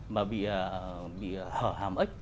mà bị hở hàm ếch